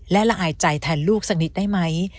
และละอายใจแทนลูกสักนิดได้ไหม